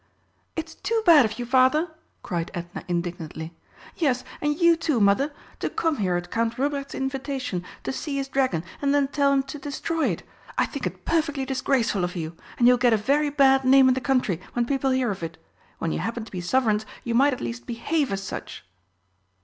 "It's too bad of you, Father!" cried Edna indignantly; "yes, and you too, Mother! To come here at Count Ruprecht's invitation, to see his dragon and then tell him to destroy it! I think it perfectly disgraceful of you, and you will get a very bad name in the country when people hear of it. When you happen to be Sovereigns you might at least behave as such!"